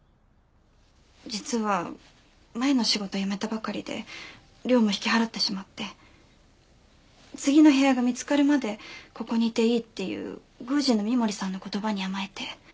実は前の仕事辞めたばかりで寮も引き払ってしまって次の部屋が見つかるまでここにいていいっていう宮司の深守さんの言葉に甘えて。